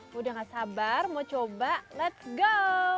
sudah tidak sabar mau coba let's go